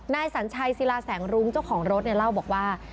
สัญชัยศิลาแสงรุ้งเจ้าของรถเนี่ยเล่าบอกว่า